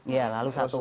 ya lalu satu